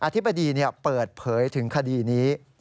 ธิบดีเปิดเผยถึงคดีนี้